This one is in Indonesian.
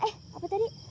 eh apa tadi